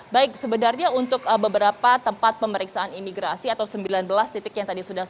baik sebenarnya untuk beberapa tempat pemeriksaan imigrasi atau sembilan belas titik yang tadi sudah saya sebutkan sebenarnya lokasinya cukup strategis